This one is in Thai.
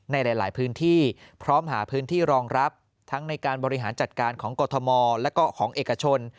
ในหลายพื้นที่พร้อมหาพื้นที่รองรับทั้งในการบริหารจัดการของกรทมและก็ของเอกชน